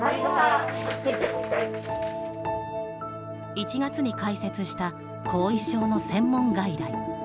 １月に開設した後遺症の専門外来。